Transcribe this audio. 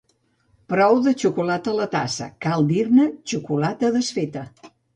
Prou de xocolata a la tassa, cal dir-ne xocolata desfeta